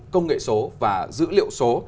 công nghệ số và dữ liệu số